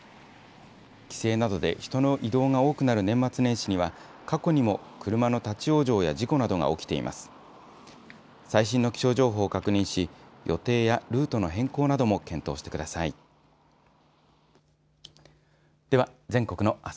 帰省などで人の移動が多くなる年末年始には過去にも車の立往生や事故などが起きています。